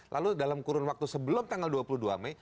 lalu dalam kurun waktu sebelum tanggal dua puluh dua mei